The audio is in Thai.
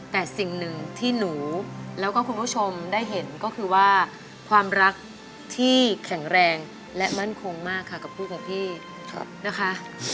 แต่สิ่งหนึ่งที่หนูแล้วก็คุณผู้ชมได้เห็นก็คือว่าความรักที่แข็งแรงและมั่นคงมากค่ะกับคู่ของพี่นะคะ